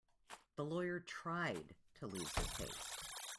The lawyer tried to lose his case.